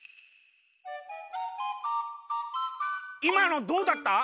いまのどうだった？